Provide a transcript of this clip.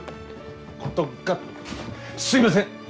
すいません！